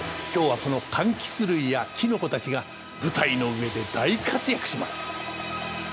今日はこの柑橘類やキノコたちが舞台の上で大活躍します！